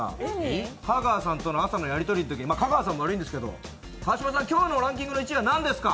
香川さんとの朝のやりとりのときに、香川さんも悪いんですけど川島さん、今日のランキングの１位はなんですか？